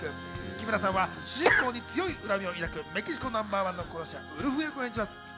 木村さんは主人公に強い恨みを抱くメキシコナンバーワンの殺し屋・ウルフ役を演じます。